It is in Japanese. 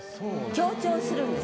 強調するんです。